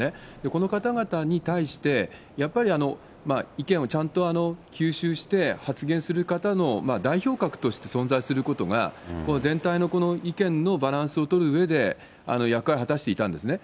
この方々に対して、やっぱり意見をちゃんと吸収して、発言する方の代表格として存在することが、この全体の意見のバランスを取るうえで役割果たしていたんですね。